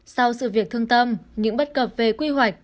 sau sự việc thương tâm những bất cập về quy hoạch